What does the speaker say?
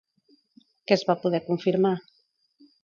Què es va poder confirmar?